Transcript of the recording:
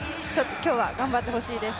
今日は頑張ってほしいです。